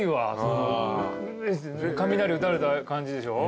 雷打たれた感じでしょ？